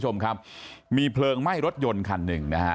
มีเพลิงไหม้รถยนต์คันหนึ่ง